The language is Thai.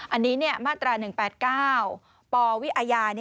อันนี้มาตรา๑๘๙ปวิอาญา